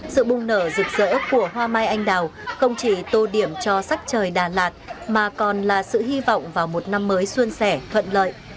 sự bùng nở rực rỡ của hoa mai anh đào không chỉ tô điểm cho sắc trời đà lạt mà còn là sự hy vọng vào một năm mới xuân sẻ thuận lợi